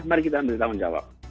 mari kita ambil tanggung jawab